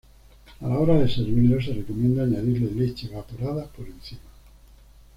A la hora de servirlo, se recomienda añadirle leche evaporada por encima.